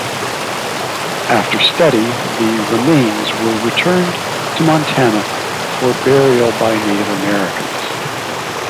After study, the remains were returned to Montana for burial by Native Americans.